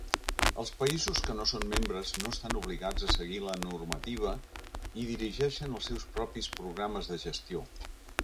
Els països que no són membres no estan obligats a seguir la normativa i dirigeixen els seus propis programes de gestió.